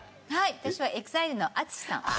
私はＥＸＩＬＥのＡＴＳＵＳＨＩさん。